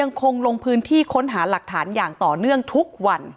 ลงพื้นที่ค้นหาหลักฐานอย่างต่อเนื่องทุกวัน